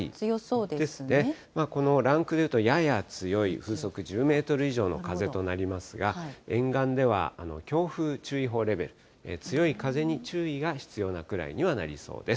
このランクで言うと、やや強い、風速１０メートル以上の風となりますが、沿岸では強風注意報レベル、強い風に注意が必要なくらいにはなりそうです。